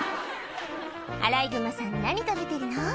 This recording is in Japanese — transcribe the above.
アライグマさん何食べてるの？